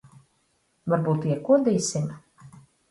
Varbūt iekodīsim?